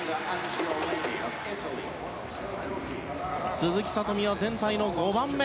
鈴木聡美は全体の５番目。